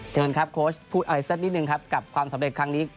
เชิญครับโค้ชพูดอะไรสักนิดนึงครับกับความสำเร็จครั้งนี้